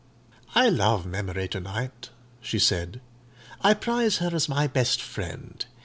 "I love Memory to night," she said: "I prize her as my best friend.